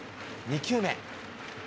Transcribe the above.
２球目。